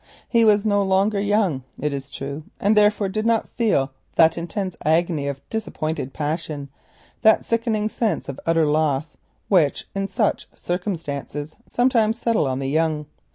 He was no longer young, it is true, and therefore did not feel that intense agony of disappointed passion, that sickening sense of utter loss which in such circumstances sometimes settle on the young.